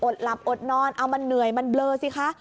หลับอดนอนเอามันเหนื่อยมันเบลอสิคะ